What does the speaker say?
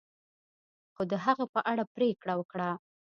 خو د هغه په اړه پریکړه وکړه.